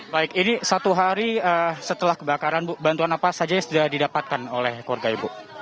baik ini satu hari setelah kebakaran bantuan apa saja yang sudah didapatkan oleh keluarga ibu